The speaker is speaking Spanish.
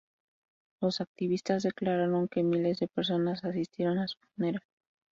Los activistas declararon que miles de personas asistieron a su funeral.